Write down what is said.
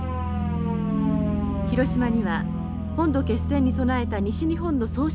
広島には本土決戦に備えた西日本の総司令部がありました。